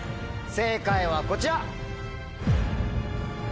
正解はこちら！